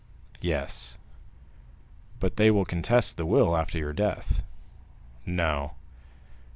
"Yes." "But they will contest the will after your death?" "No."